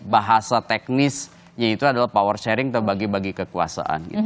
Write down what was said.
bahasa teknisnya itu adalah power sharing bagi bagi kekuasaan